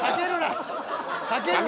かけるな！